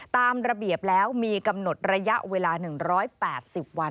ตามระเบียบแล้วมีกำหนดระยะเวลา๑๘๐วัน